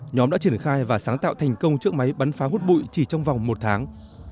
nhóm đã triển khai và sáng tạo thành công trước máy bắn phá hút bụi chỉ trong vòng một tháng